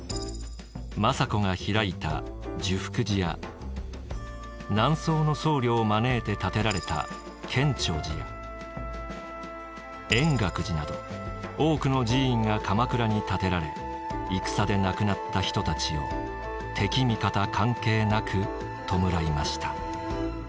政子が開いた寿福寺や南宋の僧侶を招いて建てられた建長寺や円覚寺など多くの寺院が鎌倉に建てられ戦で亡くなった人たちを敵味方関係なく弔いました。